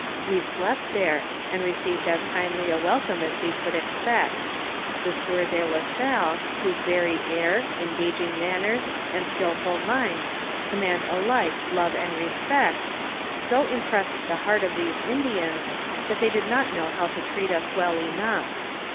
We slept there, and received as kindly a welcome as we could expect ; the sieur de la Salle, whose very air, engaging manners, and skilful mind, command alike love an'd respect, so impressed the heart of these Indians, that they did not know how to treat us well enough.